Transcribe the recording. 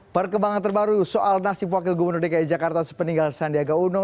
perkembangan terbaru soal nasib wakil gubernur dki jakarta sepeninggal sandiaga uno